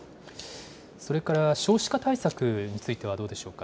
それから少子化対策についてはどうでしょうか。